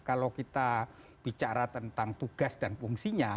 kalau kita bicara tentang tugas dan fungsinya